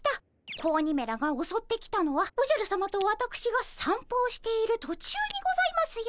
子鬼めらがおそってきたのはおじゃるさまとわたくしがさんぽをしている途中にございますよ。